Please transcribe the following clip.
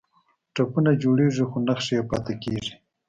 ټپونه جوړیږي خو نښې یې پاتې کیږي.